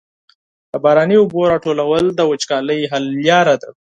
د باراني اوبو راټولول د وچکالۍ حل لاره ده.